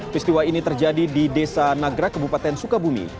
peristiwa ini terjadi di desa nagra kebupaten sukabumi